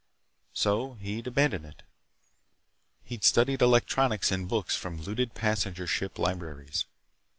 So he'd abandoned it. He'd studied electronics in books from looted passenger ship libraries.